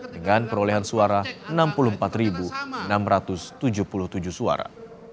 dengan perolehan suara enam puluh empat enam ratus tujuh puluh tujuh suara